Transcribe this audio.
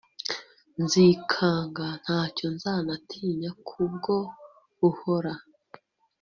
nzikanga, ntacyo nzanatinya, ubwo uhora